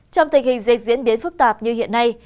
trong tình hình dịch diễn biến phức tạp như hiện nay